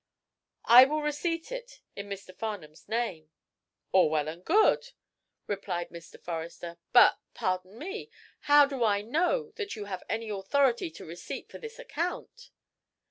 "I will receipt it, in Mr. Farnum's name." "All well and good," replied Mr. Forrester. "But pardon me how do I know that you have any authority to receipt for this account?"